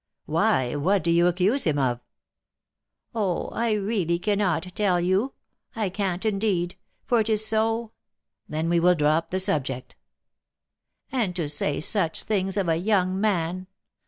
"Why, what do they accuse him of?" "Oh, I really cannot tell you! I can't, indeed; for it is so " "Then we will drop the subject." "And to say such things of a young man!